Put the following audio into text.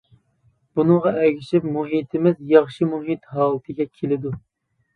بۇنىڭغا ئەگىشىپ مۇھىتىمىز «ياخشى مۇھىت» ھالىتىگە كېلىدۇ.